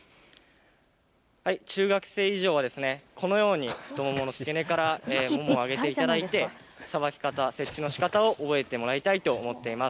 中学生以上はこのように太ももの付け根からももを上げていただて、さばき方、設置のしかたを覚えてもらいたいと思っています。